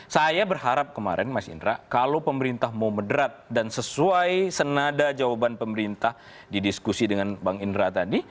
saya berharap kemarin mas indra kalau pemerintah mau mederat dan sesuai senada jawaban pemerintah didiskusi dengan bang indra tadi